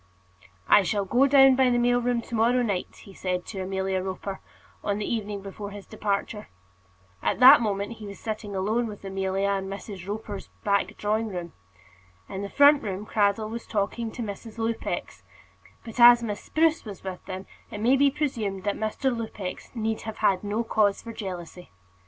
"I shall go down by the mail train to morrow night," he said to Amelia Roper, on the evening before his departure. At that moment he was sitting alone with Amelia in Mrs. Roper's back drawing room. In the front room Cradell was talking to Mrs. Lupex; but as Miss Spruce was with them, it may be presumed that Mr. Lupex need have had no cause for jealousy.